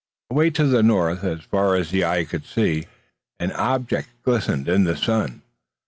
Away to the north, and as far as the eye could see, an object glistened in the sun.